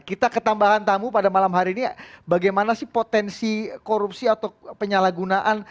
kita ketambahan tamu pada malam hari ini bagaimana sih potensi korupsi atau penyalahgunaan